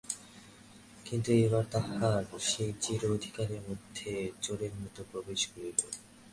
কিন্তু এবার তাহার সেই চির অধিকারের মধ্যে চোরের মতো প্রবেশ করিল।